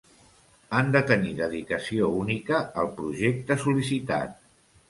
Han de tenir dedicació única al projecte sol·licitat.